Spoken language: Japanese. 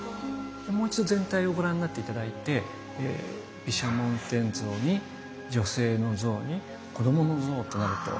もう一度全体をご覧になって頂いて毘沙門天像に女性の像に子どもの像となると。